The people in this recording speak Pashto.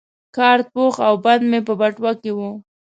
کارت پوښ او بند مې په بټوه کې وو.